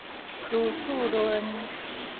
朱厝崙